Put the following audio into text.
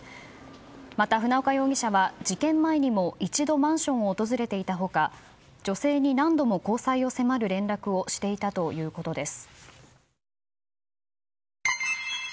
また船岡容疑者は事件前にもマンションを訪れていた他女性に何度も交際を迫る連絡をしていたということです。